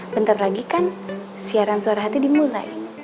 bentar lagi kan siaran suara hati dimulai